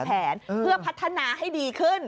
แผนเพื่อพัฒนาให้ดีขึ้น